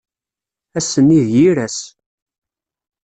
Ass-nni d yir ass.